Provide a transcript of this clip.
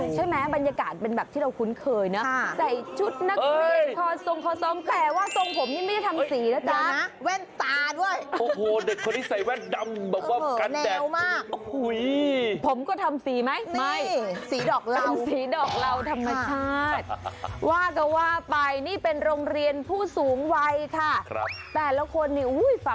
ใช่มะบรรยากาศเป็นแบบที่เรารู้คุ้นเคยนะ